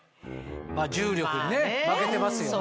重力にね負けてますよね。